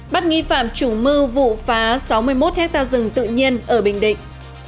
bắt nghi phạm chủ mưu vụ phá sáu mươi một hectare rừng tự nhiên ở bình định